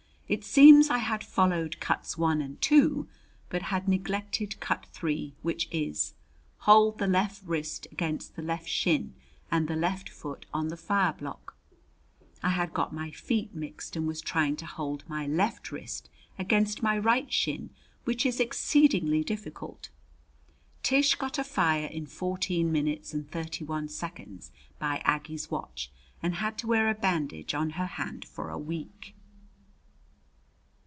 It seems I had followed cuts I and II, but had neglected cut III, which is: Hold the left wrist against the left shin, and the left foot on the fireblock. I had got my feet mixed and was trying to hold my left wrist against my right shin, which is exceedingly difficult. Tish got a fire in fourteen minutes and thirty one seconds by Aggie's watch, and had to wear a bandage on her hand for a week.